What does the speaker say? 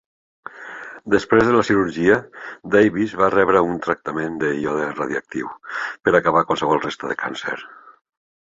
Després de la cirurgia, Davis va rebre un tractament de iode radioactiu per acabar qualsevol resta de càncer.